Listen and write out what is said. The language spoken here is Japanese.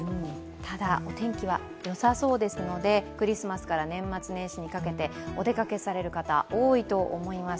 ただお天気はよさそうですのでクリスマスから年末年始にかけてお出かけされる方、多いと思います